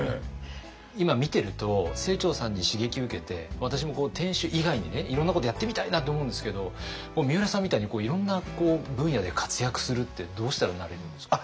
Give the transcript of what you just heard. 今見てると清張さんに刺激受けて私も店主以外にいろんなことやってみたいなって思うんですけどみうらさんみたいにいろんな分野で活躍するってどうしたらなれるんですか？